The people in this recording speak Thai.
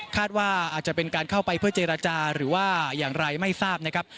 ว่าอาจจะเป็นการเข้าไปเพื่อเจรจาหรือว่าอย่างไรไม่ทราบนะครับ